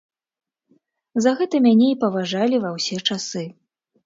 За гэта мяне і паважалі ва ўсе часы.